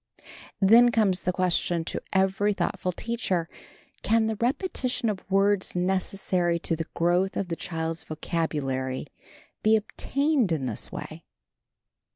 Then comes the question to every thoughtful teacher, "Can the repetition of words necessary to the growth of the child's vocabulary be obtained in this way?"